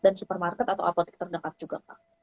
dan supermarket atau apotek terdekat juga